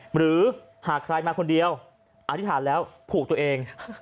หรือหากใครมาคนเดียวอธิษฐานแล้วผูกตัวเอง